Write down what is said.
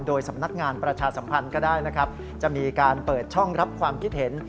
โดยสำนักงานประชาสัมพันธ์ก็ได้นะครับจะมีการเปิดช่องรับความคิดเห็น